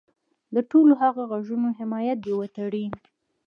د ټولو هغه غږونو حمایت دې وتړي.